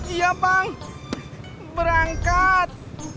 iya bang berangkat